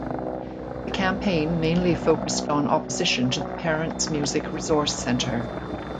The campaign mainly focused on opposition to the Parents Music Resource Center.